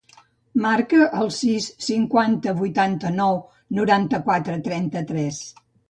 Marca el sis, cinquanta, vuitanta-nou, noranta-quatre, trenta-tres.